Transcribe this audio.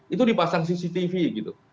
itu dipasang cctv gitu